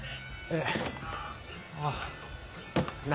ええあぁ。